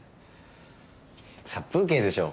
殺風景でしょ？